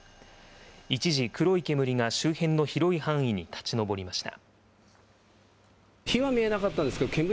一時、黒い煙が周辺の広い範囲に立ち上りました。